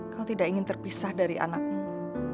kau tidak ingin terpisah dari anakmu